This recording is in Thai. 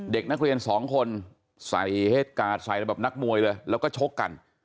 เด็กนักเรียนสองคนใส่เหตุการณ์ใส่ระบบนักมวยเลยแล้วก็ชกกัน